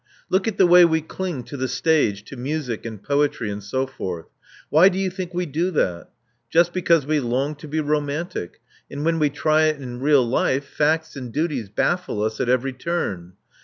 Look at the way we cling to the stage, to music, and poetry, and so forth. Why do you think we do that? Just because we long to be romantic, and when we try it in real life, facts and duties baffle us at every turn.